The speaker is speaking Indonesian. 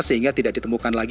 sehingga tidak ditemukan lagi